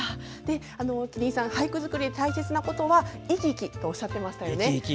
麒麟さん俳句作りで大切なことは「いきいき」とおっしゃっていましたよね。